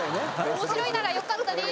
面白いならよかったです。